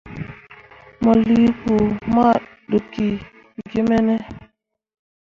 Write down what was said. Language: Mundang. Mo lii kpu ma ɗokki ge mene ?